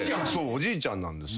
おじいちゃんなんですよ。